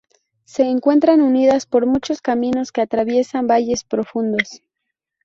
Se encuentran unidas por muchos caminos que atraviesan valles profundos.